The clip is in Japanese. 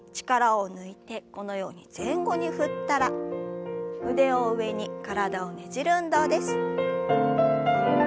力を抜いてこのように前後に振ったら腕を上に体をねじる運動です。